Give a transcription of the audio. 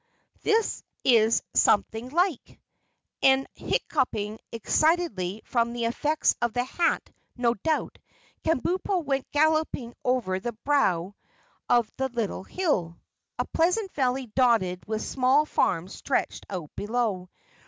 This is something like!" And hiccoughing excitedly, from the effects of the hat, no doubt, Kabumpo went galloping over the brow of the little hill. A pleasant valley dotted with small farms stretched out below.